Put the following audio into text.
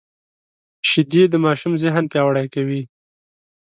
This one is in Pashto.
شیدې د ماشوم ذهن پیاوړی کوي